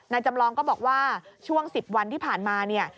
จำลองก็บอกว่าช่วง๑๐วันที่ผ่านมาเนี่ย